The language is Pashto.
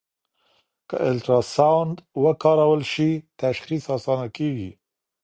که الټراساؤنډ وکارول شي، تشخیص اسانه کېږي.